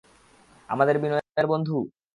আমাদের বিনয়ের বন্ধু?